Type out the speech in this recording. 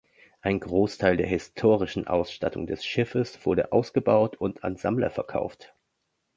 Ein Großteil der historischen Ausstattung des Schiffes wurde ausgebaut und an Sammler verkauft.